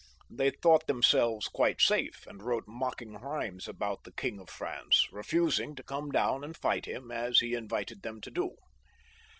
They thought themselyes quite safe, and wrote mocking rhymes about the King of France, refusing to come down and fight him, as he invited them to do.